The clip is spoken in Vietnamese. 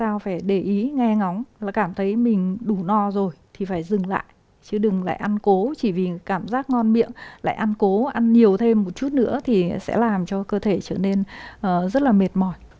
chúng ta phải để ý nghe ngóng là cảm thấy mình đủ no rồi thì phải dừng lại chứ đừng lại ăn cố chỉ vì cảm giác ngon miệng lại ăn cố ăn nhiều thêm một chút nữa thì sẽ làm cho cơ thể trở nên rất là mệt mỏi